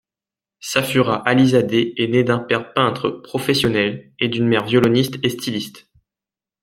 Safura Alizadeh est née d'un père peintre professionnel et d'une mère violoniste et styliste.